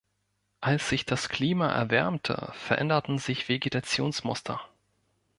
Als sich das Klima erwärmte, veränderten sich Vegetationsmuster.